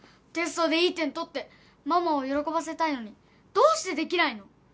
テストでいい点取ってママを喜ばせたいのにどうしてできないの？